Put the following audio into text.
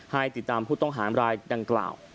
ให้ติดตามผู้ต้องหามรายดังกล่าว